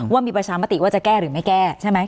ว่ามีประชามติว่าจะแก้หรือไม่แก้ใช่ไหม